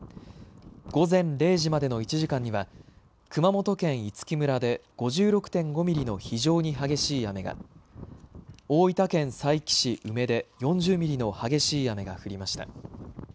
午前０時までの１時間には熊本県五木村で５６．５ミリの非常に激しい雨が大分県佐伯市宇目で４０ミリの激しい雨が降りました。